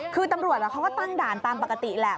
คือตำรวจเขาก็ตั้งด่านตามปกติแหละ